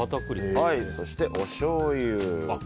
そして、おしょうゆ。